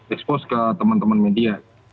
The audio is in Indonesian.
expose ke teman teman media